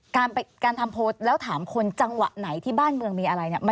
การทำโพสต์แล้วถามคนจังหวะไหนที่บ้านเมืองมีอะไรเนี่ย